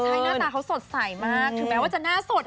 ใช่หน้าตาเขาสดใสมากถึงแม้ว่าจะหน้าสด